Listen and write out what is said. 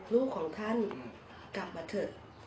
ลูกของท่านกลับมาเถอะ